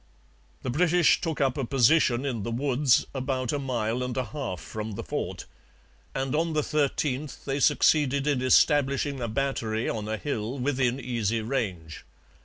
The British took up a position in the woods about a mile and a half from the fort; and on the 13th they succeeded in establishing a battery on a hill within easy range.